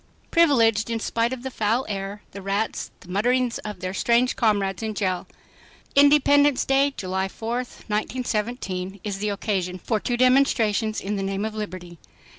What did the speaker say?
"Privileged" in spite of the foul air, the rats, and the mutterings of their strange comrades in jail! Independence Day, July 4, 1917, is the occasion for two demonstrations in the name of liberty.